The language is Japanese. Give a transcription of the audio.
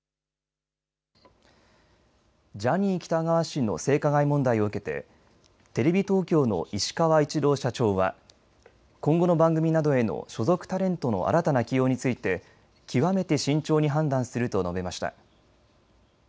ジャニー喜多川氏の性加害問題を受けてテレビ東京の石川一郎社長は今後の番組などへの所属タレントの新たな起用について極めて慎重に判断すると述べました。